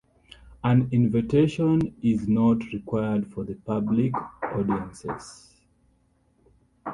An invitation is not required for the public audiences.